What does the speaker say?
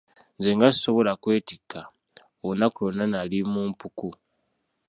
Nze nga sisobola kwetikka, olunaku lwonna nali mu mpuku.